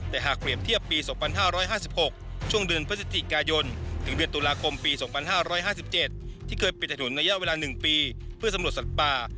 แต่หากเปรียบเทียบปี๒๕๕๖ช่วงเดือนพฤศจิกายนถึงเดือนตุลาคมปี๒๕๕๗ที่เคยปิดถนนระยะเวลา๑ปีเพื่อสำรวจสัตว์ป่า